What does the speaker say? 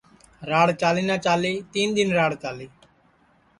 راڑ چالی نہ چالی تین دؔن راڑ چالی